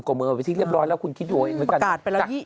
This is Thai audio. ๓๐กว่าเมืองเป็นพิธีเรียบร้อยน์แล้วคุณคิดดูไว้กัน